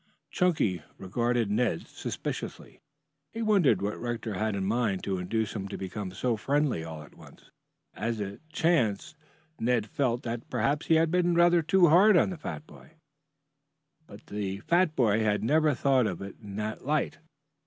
Chunky regarded Ned suspiciously. He wondered what Rector had in mind to induce him to become so friendly all at once. As it chanced Ned felt that perhaps he had been rather too hard on the fat boy. But the fat boy had never thought of it in that light.